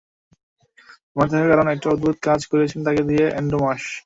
মনে থাকার কারণ, একটা অদ্ভুত কাজ করিয়েছেন তাকে দিয়ে অ্যান্ড্রু মার্শ।